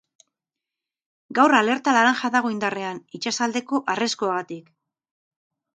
Gaur alerta laranja dago indarrean, itsasaldeko arriskuagatik.